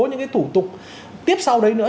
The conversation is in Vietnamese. những cái thủ tục tiếp sau đấy nữa